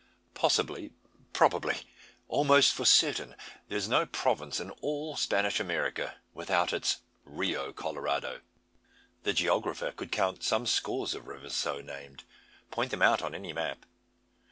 Possibly, probably, almost lor certain, there is no province in all Spanish America without its "Rio Colorado." The geographer could count some scores of rivers so named point them out on any map.